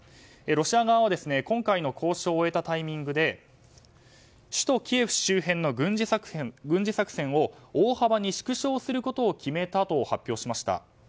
ロシア側は今回の交渉を終えたタイミングで首都キエフ周辺の軍事作戦を大幅に縮小することを決めたと発表しました。